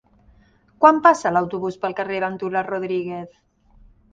Quan passa l'autobús pel carrer Ventura Rodríguez?